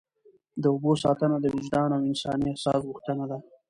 د اوبو ساتنه د وجدان او انساني احساس غوښتنه ده.